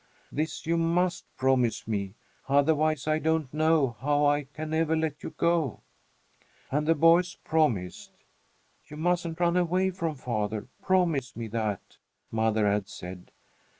This you must promise me, otherwise I don't know how I can ever let you go." And the boys promised. "You mustn't run away from father, promise me that!" mother had said.